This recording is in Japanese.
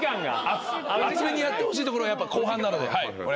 厚めにやってほしいところは後半なので。